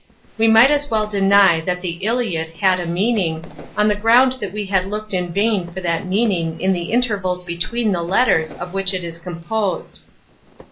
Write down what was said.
We might as well deny that the Iliad had a meaning, on the ground that we had looked in vain for that meaning in the intervals between the letters jof which it is composed.